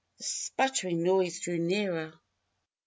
The sputtering noise drew nearer.